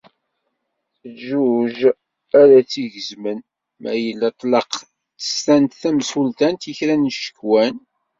D jjuj ara tt-igezmen ma yella tlaq tsestant tamsultant i kra n ccekwan.